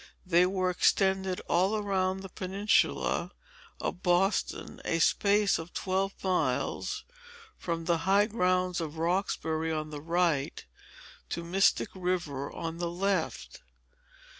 They were extended all round the peninsula of Boston, a space of twelve miles, from the high grounds of Roxbury on the right, to Mystic river on the left.